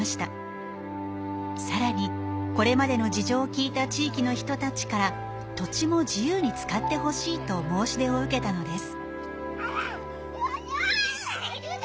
さらにこれまでの事情を聞いた地域の人たちから土地も自由に使ってほしいと申し出を受けたのです。